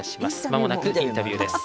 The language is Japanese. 間もなくインタビューです。